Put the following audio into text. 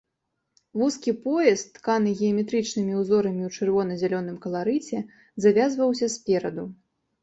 Вузкі пояс, тканы геаметрычнымі ўзорамі ў чырвона-зялёным каларыце, завязваўся спераду.